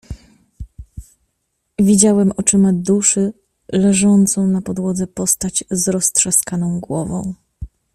"Widziałem oczyma duszy leżącą na podłodze postać z roztrzaskaną głową."